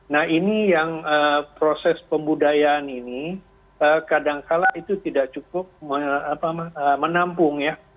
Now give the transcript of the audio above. nah ini yang proses pembudayaan ini kadangkala itu tidak cukup menampung ya